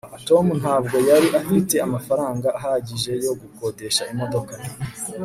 tom ntabwo yari afite amafaranga ahagije yo gukodesha imodoka